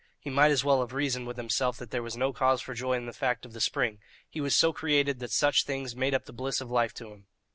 He might as well have reasoned with himself that there was no cause for joy in the fact of the spring; he was so created that such things made up the bliss of life to him.